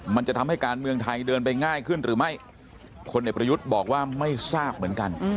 มันจะทำให้การเมืองไทยเดินไปง่ายขึ้นหรือไม่พลเอกประยุทธ์บอกว่าไม่ทราบเหมือนกัน